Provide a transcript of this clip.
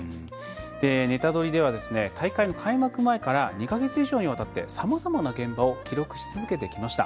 「ネタドリ！」では大会の開幕前から２か月以上にわたってさまざまな現場を記録し続けてきました。